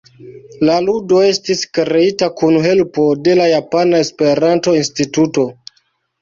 La ludo estis kreita kun helpo de la Japana Esperanto-Instituto.